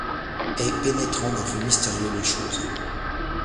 Et pénétrant d’un feu mystérieux les choses